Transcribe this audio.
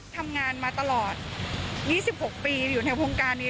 ทำงานมาตลอด๒๖ปีอยู่ในวงการนี้